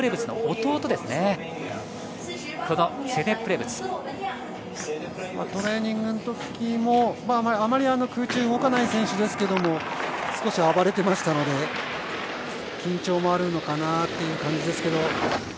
トレーニングの時もあまり空中で動かない選手ですけれども、少し暴れていましたので、緊張もあるのかなっていう感じですけど。